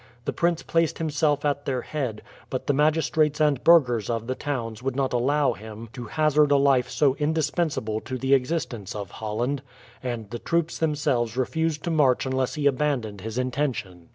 The prince placed himself at their head, but the magistrates and burghers of the towns would not allow him to hazard a life so indispensable to the existence of Holland, and the troops themselves refused to march unless he abandoned his intention.